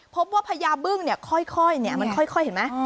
พญาบึ้งเนี่ยค่อยมันค่อยเห็นไหม